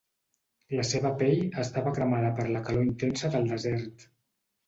La seva pell estava cremada per la calor intensa del desert.